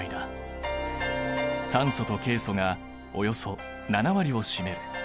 酸素とケイ素がおよそ７割を占める。